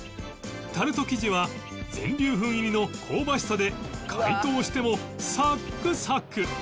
タルト生地は全粒粉入りの香ばしさで解凍してもサックサク！